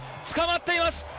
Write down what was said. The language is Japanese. つかまっています。